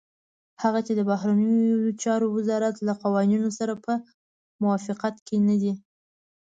هغه چې د بهرنيو چارو وزارت له قوانينو سره په موافقت کې نه دي.